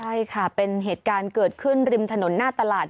ใช่ค่ะเป็นเหตุการณ์เกิดขึ้นริมถนนหน้าตลาด